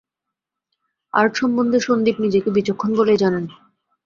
Art সম্বন্ধে সন্দীপ নিজেকে বিচক্ষণ বলেই জানেন।